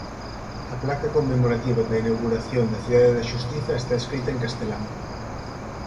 A placa conmemorativa da inauguración da Cidade da Xustiza está escrita en castelán.